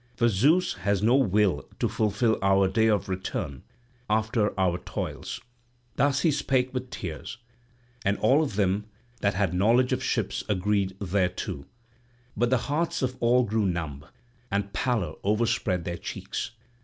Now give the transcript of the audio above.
But Zeus has no will to fulfil our day of return after all our toils." Thus he spake with tears, and all of them that had knowledge of ships agreed thereto; but the hearts of all grew numb, and pallor overspread their cheeks.